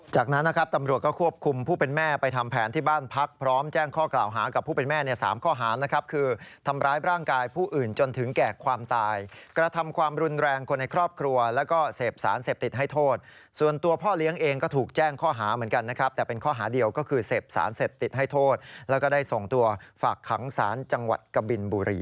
จากนั้นนะครับตำรวจก็ควบคุมผู้เป็นแม่ไปทำแผนที่บ้านพักพร้อมแจ้งข้อกล่าวหากับผู้เป็นแม่เนี่ย๓ข้อหานะครับคือทำร้ายร่างกายผู้อื่นจนถึงแก่ความตายกระทำความรุนแรงคนในครอบครัวแล้วก็เสพสารเสพติดให้โทษส่วนตัวพ่อเลี้ยงเองก็ถูกแจ้งข้อหาเหมือนกันนะครับแต่เป็นข้อหาเดียวก็คือเสพสารเสพติดให้โทษแล้วก็ได้ส่งตัวฝากขังสารจังหวัดกบินบุรี